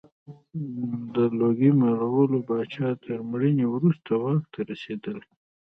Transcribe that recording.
د لوګي مرغلرې پاچا تر مړینې وروسته واک ته رسېدلی.